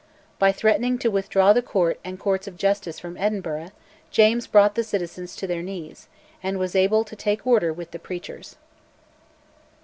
By threatening to withdraw the Court and Courts of Justice from Edinburgh James brought the citizens to their knees, and was able to take order with the preachers.